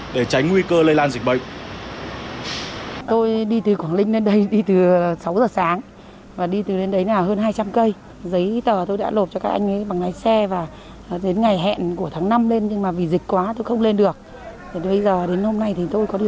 để tránh nguy cơ lây lan dịch bệnh